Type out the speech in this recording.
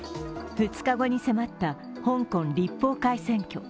２日後に迫った香港立法会選挙。